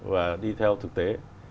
và đi theo thực tế